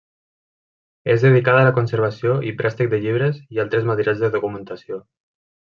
És dedicada a la conservació i préstec de llibres i altres materials de documentació.